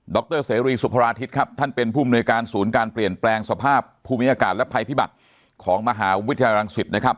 รเสรีสุพราธิตครับท่านเป็นผู้มนวยการศูนย์การเปลี่ยนแปลงสภาพภูมิอากาศและภัยพิบัติของมหาวิทยาลัยรังสิตนะครับ